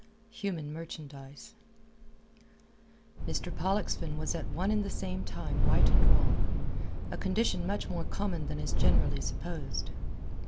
HUMAN MERCHANDISE Mr. Pollexfen was at one and the same time right and wrong a condition much more common than is generally supposed.